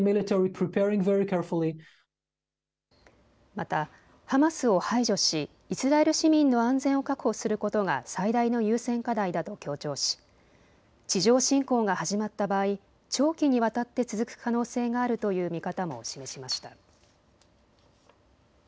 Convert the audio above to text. またハマスを排除しイスラエル市民の安全を確保することが最大の優先課題だと強調し地上侵攻が始まった場合、長期にわたって続く可能性があるという見方も示しました。